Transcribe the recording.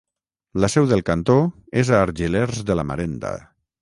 La seu del cantó és a Argelers de la Marenda.